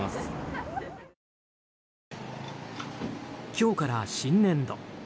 今日から新年度。